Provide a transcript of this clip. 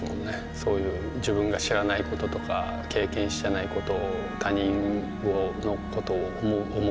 そういう自分が知らないこととか経験してないことを他人のことを思うとか